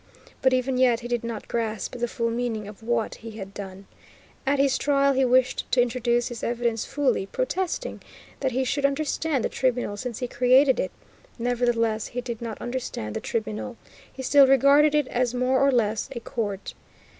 But even yet he did not grasp the full meaning of what he had done. At his trial he wished to introduce his evidence fully, protesting "that he should understand the Tribunal since he created it;" nevertheless, he did not understand the Tribunal, he still regarded it as more or less a court.